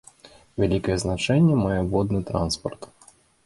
Вялікае значэнне мае водны транспарт.